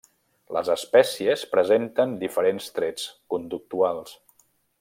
Les espècies presenten diferents trets conductuals.